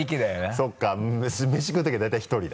そうか飯食うときは大体１人だ。